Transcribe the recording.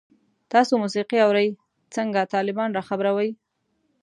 تاسو موسیقی اورئ؟ څنګه، طالبان را خبروئ